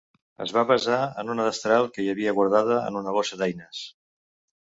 Es va basar en una destral que hi havia guardada en una bossa d'eines.